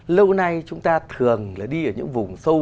lâu nay chúng ta thường là đi ở những vùng sâu